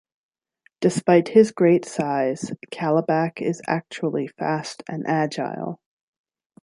Despite his great size, Kalibak is actually fast and agile.